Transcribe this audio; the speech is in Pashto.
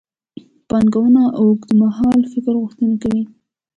پانګونه د اوږدمهال فکر غوښتنه کوي.